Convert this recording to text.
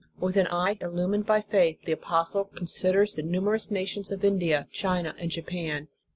With an eye illumined by faith, the apostle considers the numerous nations of India, China, and Japan.